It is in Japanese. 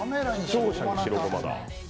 視聴者に白ごまだ。